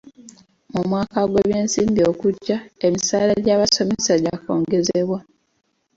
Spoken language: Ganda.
Mu mwaka gw'ebyensimbi ogujja, emisaala gy'abasomesa gyakwongezebwa.